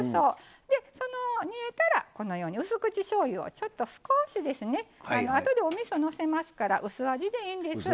煮えたらうす口しょうゆをちょっと少しですねあとで、おみそをのせますから薄味でいいんです。